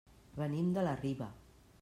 Venim de la Riba.